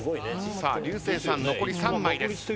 さあ竜星さん残り３枚です。